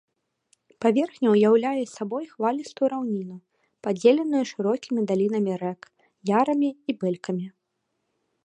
Паверхня ўяўляе сабой хвалістую раўніну, падзеленую шырокімі далінамі рэк, ярамі і бэлькамі.